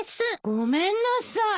ごめんなさい。